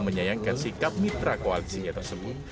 menyayangkan sikap mitra koalisinya tersebut